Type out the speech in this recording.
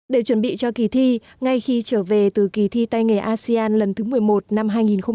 để chuẩn bị cho kỳ thi ngay khi trở về từ kỳ thi tay nghề asean lần thứ một mươi một năm hai nghìn hai mươi